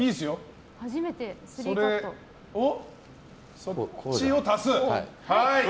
そっちを足す。